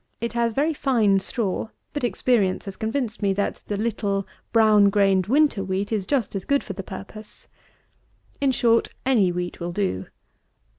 It has very fine straw; but experience has convinced me, that the little brown grained winter wheat is just as good for the purpose. In short, any wheat will do.